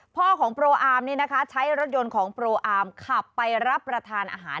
พ่อของโปรอาร์มนี่นะคะใช้รถยนต์ของโปรอาร์มขับไปรับประทานอาหาร